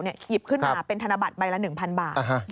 หยิบขึ้นมาเป็นธนบัตรใบละ๑๐๐บาท